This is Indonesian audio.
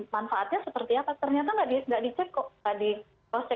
manfaatnya seperti apa ternyata gak dicek kok udah kami cek